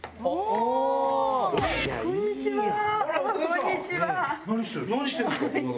こんにちは。